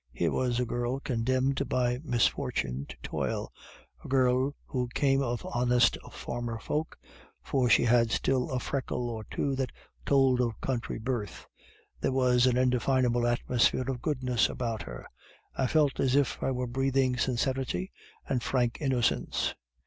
Here was a girl condemned by misfortune to toil, a girl who came of honest farmer folk, for she had still a freckle or two that told of country birth. There was an indefinable atmosphere of goodness about her; I felt as if I were breathing sincerity and frank innocence.